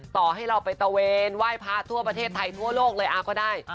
ต่อให้เราไปตะเวนไหว้พระทั่วประเทศไทยทั่วโลกเลยก็ได้